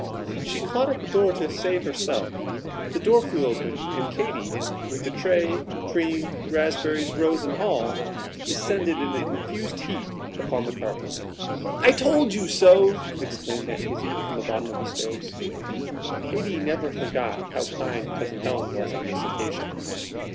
She caught at the door to save herself; the door flew open; and Katy, with the tray, cream, raspberries, rose and all, descended in a confused heap upon the carpet. "I told you so!" exclaimed Aunt Izzie from the bottom of the stairs. Katy never forgot how kind Cousin Helen was on this occasion.